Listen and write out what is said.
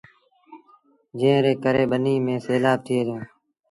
جݩهݩ ري ڪري ٻنيٚ ميݩ سيلآب ٿئي دو۔